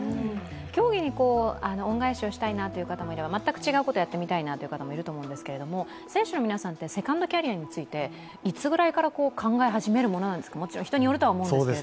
競技に恩返しをしたいという方もいれば、全く違うことやってみたいという方もいると思いますけど選手の皆さんってセカンドキャリアについて、いつぐらいから考え始めるものなんですか、もちろん人によるとは思うんですが。